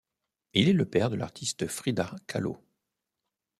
Il est le père de l'artiste Frida Kahlo.